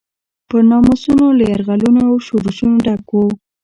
پر ناموسونو له یرغلونو او شورونو ډک و.